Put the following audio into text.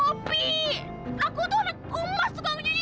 aku tuh anak kumas tuh aku nyunjungi aku